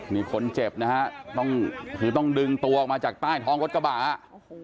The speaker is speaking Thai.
นี่คนเจ็บนะฮะต้องคือต้องดึงตัวออกมาจากใต้ท้องรถกระบะ